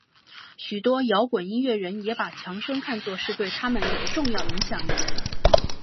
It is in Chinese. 许多摇滚音乐人也把强生看作是对他们有重要影响的人。